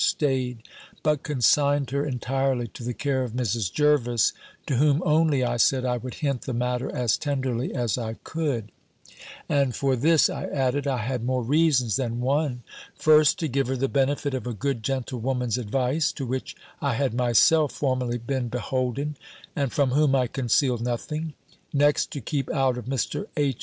staid; but consigned her entirely to the care of Mrs. Jervis, to whom only, I said, I would hint the matter as tenderly as I could: and for this, I added, I had more reasons than one; first, to give her the benefit of a good gentlewoman's advice, to which I had myself formerly been beholden, and from whom I concealed nothing; next, to keep out of Mr. H.'